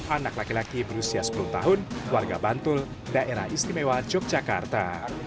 anak laki laki berusia sepuluh tahun warga bantul daerah istimewa yogyakarta